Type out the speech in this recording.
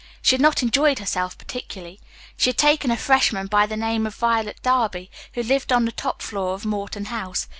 She had not enjoyed herself particularly. She had taken a freshman by the name of Violet Darby, who lived on the top floor of Morton House.